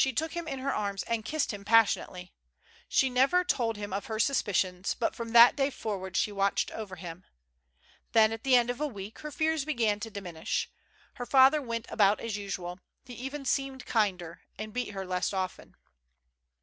took him in her arms and kissed him passionately. She never told him of her suspicions, but from that day for ward she watched over him. Then, at the end of a week, her fears began to diminish. Her father went about as usual ; he even seemed kinder, and beat her less often.